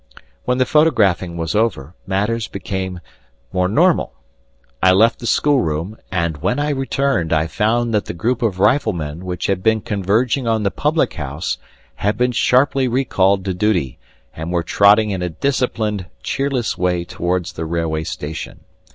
When the photographing was over, matters became more normal. I left the schoolroom, and when I returned I found that the group of riflemen which had been converging on the publichouse had been sharply recalled to duty, and were trotting in a disciplined, cheerless way towards the railway station.